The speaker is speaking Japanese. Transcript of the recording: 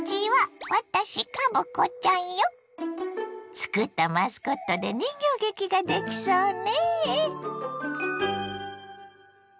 つくったマスコットで人形劇ができそうね。